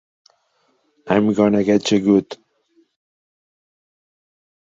"I'm Gonna Getcha Good!"